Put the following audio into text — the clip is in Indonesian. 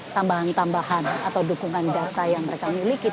tambahan tambahan atau dukungan data yang mereka miliki